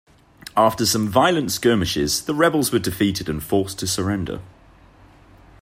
After some violent skirmishes the rebels were defeated and forced to surrender.